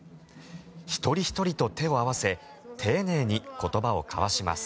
一人ひとりと手を合わせ丁寧に言葉を交わします。